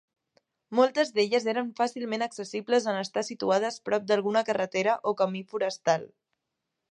Moltes d'elles eren fàcilment accessibles en estar situades prop d'alguna carretera o camí forestal.